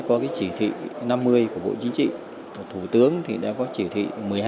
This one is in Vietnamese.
có cái chỉ thị năm mươi của bộ chính trị thủ tướng thì đã có chỉ thị một mươi hai